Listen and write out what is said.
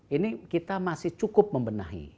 ini kita masih cukup membenahi